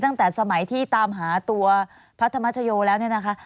ตั้งแต่สมัยที่ตามหาตัวพระธรรมชโยแล้วเนี่ยนะคะ